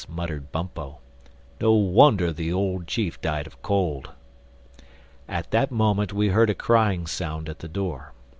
muttered Bumpo. "No wonder the old chief died of cold!" At that moment we heard a crying sound at the door.